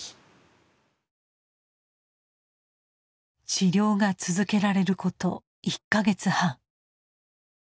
治療が続けられること１か月半。